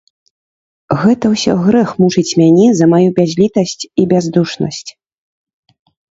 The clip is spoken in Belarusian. Гэта ўсё грэх мучыць мяне за маю бязлiтасць i бяздушнасць...